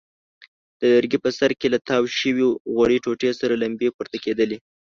د لرګي په سر کې له تاو شوې غوړې ټوټې سرې لمبې پورته کېدلې.